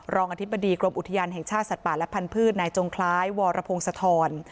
อธิบดีกรมอุทยานแห่งชาติสัตว์ป่าและพันธุ์นายจงคล้ายวรพงศธร